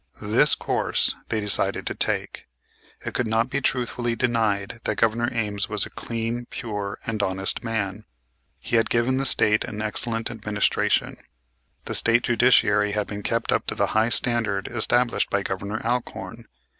This course they decided to take. It could not be truthfully denied that Governor Ames was a clean, pure, and honest man. He had given the State an excellent administration. The State judiciary had been kept up to the high standard established by Governor Alcorn.